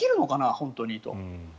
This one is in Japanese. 本当にと。